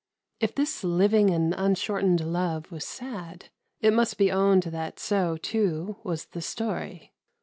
If this living and unshortened love was sad, it must be owned that so, too, was the story.